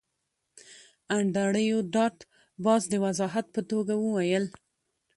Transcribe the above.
انډریو ډاټ باس د وضاحت په توګه وویل